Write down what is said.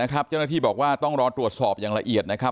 ไม่ได้อยู่แล้วบ้าง้าฝันไม่ต้องไม่ถูก